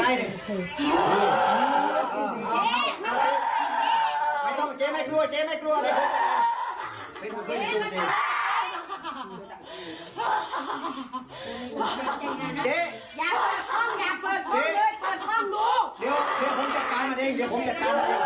เป็นคนเจ๋อย่าเปิดห้องอย่าเปิดห้องเลยห้อง